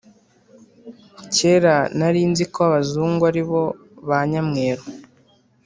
kera narinziko abazungu aribo ba nyamweru